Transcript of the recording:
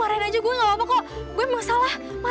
marahin gue aja gak apa apa